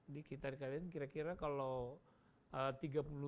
di sekitar ikn kira kira kalau